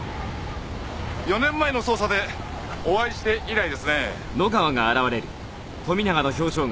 ４年前の捜査でお会いして以来ですね。